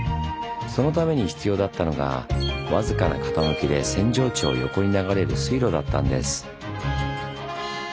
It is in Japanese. そのために必要だったのが僅かな傾きで扇状地を横に流れる水路だったんです。